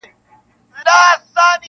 !کابل مه ورانوئ-